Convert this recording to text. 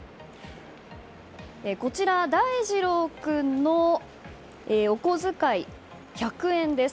こちら、大二郎君のお小遣い１００円です。